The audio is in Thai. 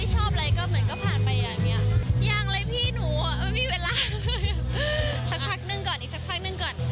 สักนึงก่อนอีกสักนึงก่อน